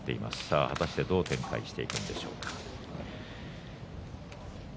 果たして、どう展開していくでしょうか。